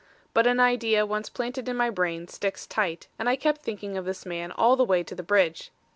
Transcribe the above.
But an idea once planted in my brain sticks tight, and I kept thinking of this man all the way to the Bridge.